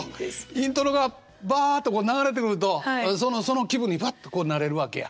イントロがバッと流れてくるとその気分にバッとこうなれるわけや。